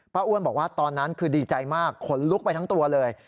อ้วนบอกว่าตอนนั้นคือดีใจมากขนลุกไปทั้งตัวเลย